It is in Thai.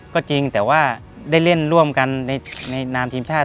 ก็จริงแต่ว่าได้เล่นร่วมกันในนามทีมชาติ